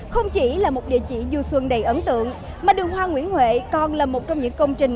không chỉ là một địa chỉ du xuân đầy ấn tượng mà đường hoa nguyễn huệ còn là một trong những công trình